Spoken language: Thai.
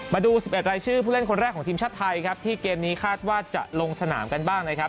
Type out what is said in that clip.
มาดู๑๑รายชื่อผู้เล่นคนแรกของทีมชาติไทยครับที่เกมนี้คาดว่าจะลงสนามกันบ้างนะครับ